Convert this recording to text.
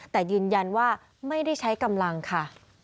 แต่ยืนยันว่าไม่ได้ใช้กำลังค่ะ